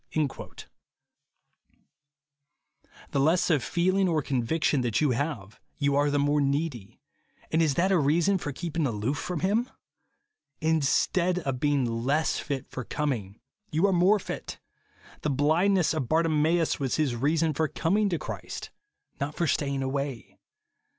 The less of feeling or conviction that you have, you are the more needy ; and is that a reason for keeping aloof from him 1 In stead of being less fit for coming, you are more fit. The blindness of Bartimeus was his reason for coming to Christ, not for staying away.